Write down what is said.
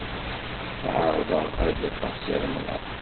Ɛerḍeɣ ad d-afeɣ Si Remḍan.